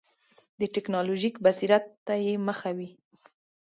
د ټکنالوژیک بصیرت ته یې مخه وي.